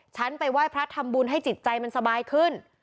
ฉันไปไหว้พระทำบุญให้จิตใจมันสบายขึ้น